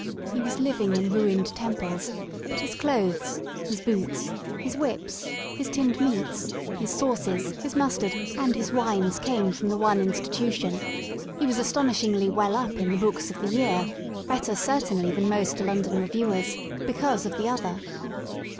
He was living in ruined temples, but his clothes, his boots, his whips, his tinned meats, his sauces, his mustard and his wines came from the one institution ; he was astonishingly ^^well up" in the books of the year, better certainly than most London reviewers, because of the other.